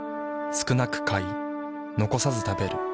少なく買い残さず食べる。